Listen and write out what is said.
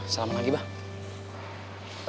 salam lagi pak